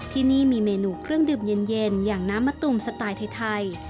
ที่นี่มีเมนูเครื่องดื่มเย็นอย่างน้ำมะตูมสไตล์ไทย